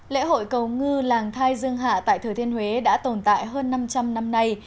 lễ hội cầu ngư làng thai dương hạ tại thừa thiên huế đã tồn tại hơn năm trăm linh năm nay